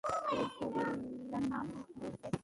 এই ছবির লোকটার নাম জোসেফ।